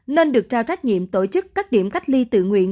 nên được trao trách nhiệm tổ chức các điểm cách ly tự nguyện